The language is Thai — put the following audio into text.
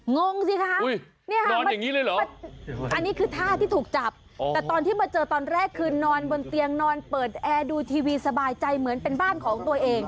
งงสิคะอันนี้คือท่าที่ถูกจับแต่ตอนที่มาเจอตอนแรกคือนอนบนเตียงนอนเปิดแอร์ดูทีวีสบายใจเหมือนเป็นบ้านของตัวเอง